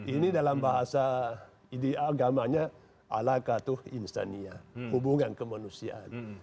ini dalam bahasa ide agamanya alaqatuh insaniyah hubungan kemanusiaan